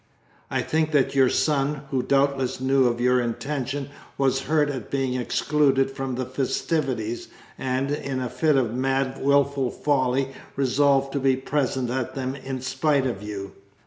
"I think that your son, who doubtless knew of your intention, was hurt at being excluded from the festivities and, in a fit of mad wilful folly, resolved to be present at them in spite of you."